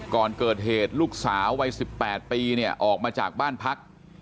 ก่อนเกิดเหตุลูกสาววัย๑๘ปีเนี่ยออกมาจากบ้านพัก